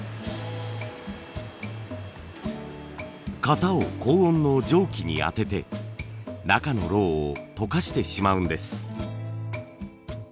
型を高温の蒸気に当てて中のロウを溶かしてしまうんです。